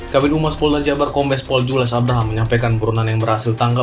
kabin umas polda jawa barat kombes paul jules abraham menyampaikan perunan yang berhasil tangkap